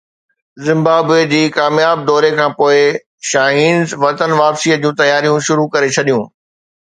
Zimbabwe جي ڪامياب دوري کانپوءِ شاهينز وطن واپسي جون تياريون شروع ڪري ڇڏيون